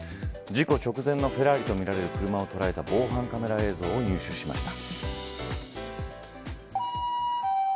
事故直前のフェラーリとみられる車を捉えた防犯カメラ映像を入手しました。